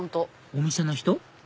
お店の人？